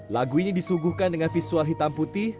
lagu ini disuguhkan dengan visual hitam putih